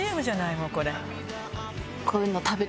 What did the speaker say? もうこれ。